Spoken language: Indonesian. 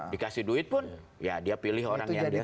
dikasih duit pun ya dia pilih orang yang dia